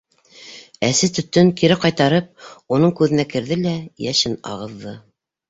Әсе төтөн, кире ҡайтарып, уның күҙенә керҙе лә йәшен ағыҙҙы.